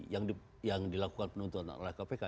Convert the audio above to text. yang dilakukan penuntutan oleh kpk